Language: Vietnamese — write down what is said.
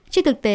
trên thực tế